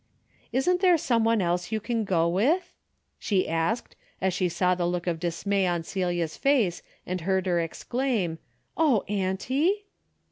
Isn't there some one else you can go with ?" she asked, as she saw the look of dismay on Celia's face and heard her exclaim, " Oh auntie